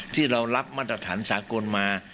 ที่เรารับมาตรฐานสากลมา